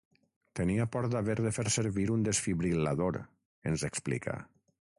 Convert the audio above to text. “Tenia por d’haver de fer servir un desfibril·lador”, ens explica.